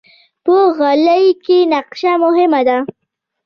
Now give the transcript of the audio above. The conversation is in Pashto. په غالۍ کې نقشه مهمه ده.